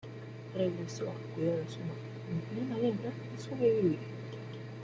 Regresó a cuidar a su madre en plena guerra y sobrevivió.